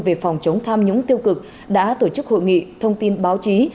về phòng chống tham nhũng tiêu cực đã tổ chức hội nghị thông tin báo chí